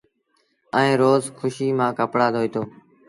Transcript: ائيٚݩ روز کُوشيٚ مآݩ ڪپڙآ ڌوئيٚتو۔